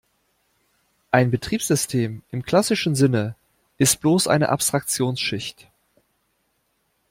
Ein Betriebssystem im klassischen Sinne ist bloß eine Abstraktionsschicht.